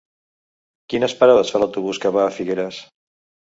Quines parades fa l'autobús que va a Figueres?